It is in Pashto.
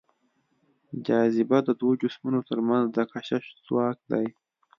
جاذبه د دوو جسمونو تر منځ د کشش ځواک دی.